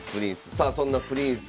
さあそんなプリンス